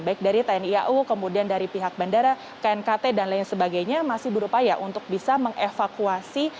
baik dari tni au kemudian dari pihak bandara knkt dan lain sebagainya masih berupaya untuk bisa mengevakuasi